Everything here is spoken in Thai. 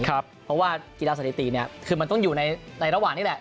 เพราะว่ากีฬาสถิติคือมันต้องอยู่ในระหว่างนี้แหละ